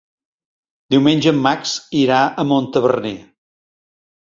Diumenge en Max irà a Montaverner.